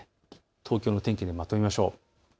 東京の天気でまとめましょう。